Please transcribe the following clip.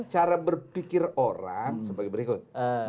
cara berpikir orang sebagai berikut